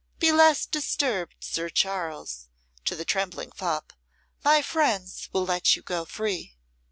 Be less disturbed, Sir Charles," to the trembling fop, "my friends will let you go free."